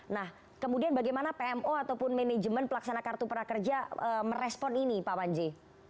nah kemudian bagaimana pmo ataupun manajemen pelaksana kartu prakerja merespon ini pak panji